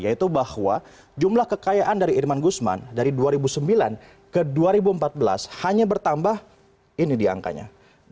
yaitu bahwa jumlah kekayaan dari irman gusman dari dua ribu sembilan ke dua ribu empat belas hanya bertambah ini di angkanya